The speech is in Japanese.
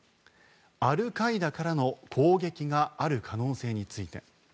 アルカイダからの攻撃がある可能性について。